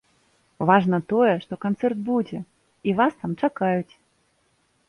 Важна тое, што канцэрт будзе, і вас там чакаюць.